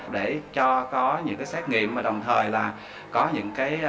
để cho có những cái xét nghiệm mà đồng thời là có những cái